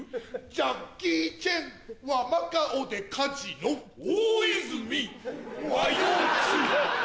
ジャッキー・チェンはマカオでカジノ大泉和洋中